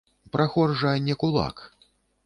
Прахор жа не кулак.